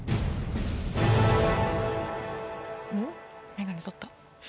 眼鏡取った。